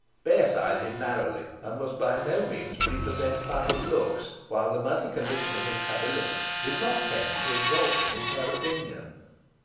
Bess eyed him narrowly, and was by no means prepossessed by his looks, while the muddy condition of his habiliments did not tend to exalt him in her opinion.